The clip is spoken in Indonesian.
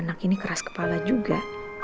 anak ini keras kepala juga